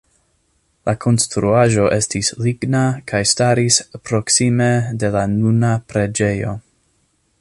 La konstruaĵo estis ligna kaj staris proksime de la nuna preĝejo.